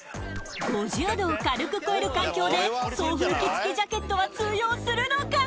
５０℃を軽く超える環境で送風機付きジャケットは通用するのか？